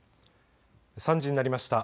３時になりました。